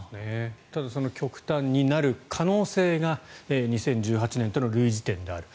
ただ、極端になる可能性が２０１８年との類似点である。